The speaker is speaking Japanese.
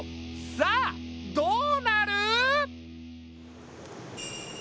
さあどうなる？